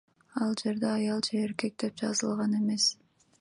Ал жерде аял же эркек деп жазылган эмес.